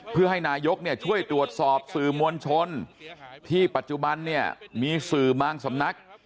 เพื่อให้นายกช่วยตรวจสอบสื่อมวลชนที่ปัจจุบันเนี่ยมีสื่อบางสำนัก